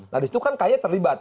nah di situ kan kai terlibat